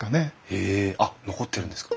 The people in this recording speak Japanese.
へえあっ残ってるんですか？